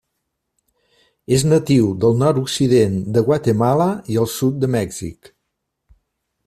És natiu del nord-occident de Guatemala i el sud de Mèxic.